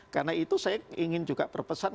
karena itu saya ingin juga berpesan